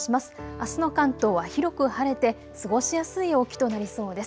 あすの関東は広く晴れて過ごしやすい陽気となりそうです。